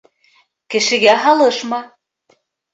Кешегә һалышма.